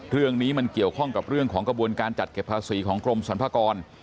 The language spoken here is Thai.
เรื่องนี้มันเกี่ยวข้องกับเรื่องของกระบวนการจัดเก็บภาษีของกรมสรรพากร